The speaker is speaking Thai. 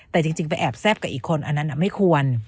แต่จริงไปแอบแซ่บกับอีกคนอันนั้นไม่ควร